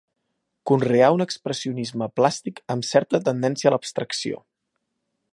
Conreà un expressionisme plàstic amb certa tendència a l'abstracció.